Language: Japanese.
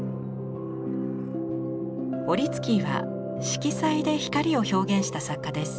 オリツキーは色彩で光を表現した作家です。